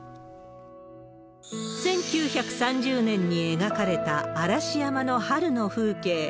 １９３０年に描かれた嵐山の春の風景。